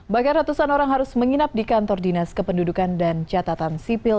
bahkan ratusan orang harus menginap di kantor dinas kependudukan dan catatan sipil